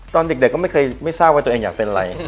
ตอนเด็กก็ไม่เคยไม่ทราบว่าตัวเองอยากเป็นอะไร